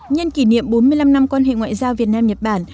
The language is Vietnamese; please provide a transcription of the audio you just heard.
nhân kỷ niệm bốn mươi năm năm quan hệ ngoại giao việt nam nhật bản